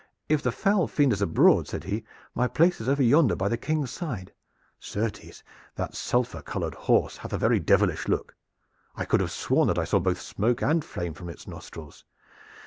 "If the foul fiend is abroad," said he, "my place is over yonder by the King's side. Certes that sulphur colored horse hath a very devilish look. I could have sworn that I saw both smoke and flame from its nostrils.